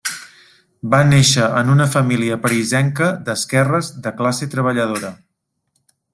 Va néixer en una família parisenca d'esquerres de classe treballadora.